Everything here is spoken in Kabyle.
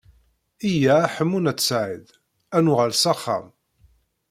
Yya a Ḥemmu n At Sɛid. Ad nuɣal s axxam.